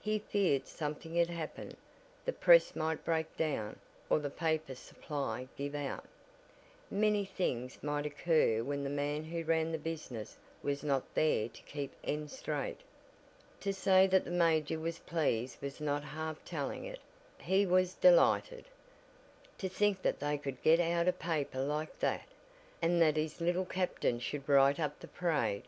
He feared something had happened the press might break down, or the paper supply give out, Many things might occur when the man who ran the business was not there to keep ends straight. To say that the major was pleased was not half telling it he was delighted. To think that they could get out a paper like that! And that his Little Captain should write up the parade.